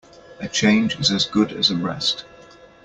A change is as good as a rest.